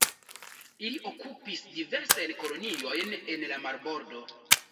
Ili okupis diversajn koloniojn en la marbordo.